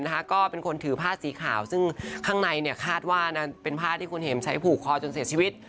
ก็เป็นคนถือผ้าสีขาวซึ่งข้างในคาดว่าเป็นผ้าที่คุณเห็มใช้ผูกคอจนเสียชีวิต